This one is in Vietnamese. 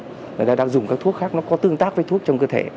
người ta đã dùng các thuốc khác nó có tương tác với thuốc trong cơ thể